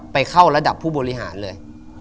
เข้าระดับผู้บริหารเลย